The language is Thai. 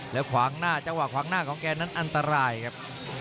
แล้วขวางหน้าจังหวะขวางหน้าของแกนั้นอันตรายครับ